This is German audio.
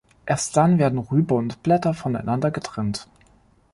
Erst dann werden Rübe und Blätter voneinander getrennt.